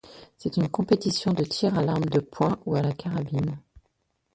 C'est une compétition de tir à l'arme de poing ou à la carabine.